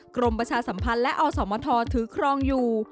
กรมประชาสัมพันธ์และอสมทถือครองอยู่